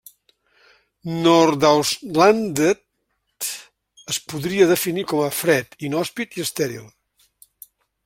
Nordaustlandet es podria definir com a fred, inhòspit i estèril.